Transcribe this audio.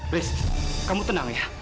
riz kamu tenang ya